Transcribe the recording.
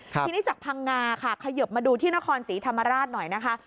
ทีนี้จากพังงาค่ะขยบมาดูที่นครศรีธรรมราชหน่อยนะคะ